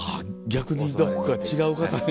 逆にどこか違う方に。